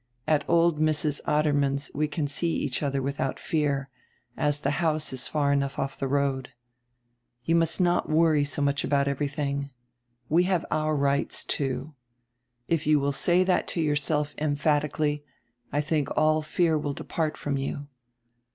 At old Mrs. Adermann's we can see each other without fear, as tire house is far enough off the road. You nrust not worry so much about everything. We have our rights, too. If you will say that to yourself emphatically, I think all fear will depart from you.